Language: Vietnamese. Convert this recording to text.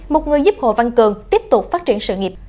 một người giúp hồ văn cường tiếp tục phát triển sự nghiệp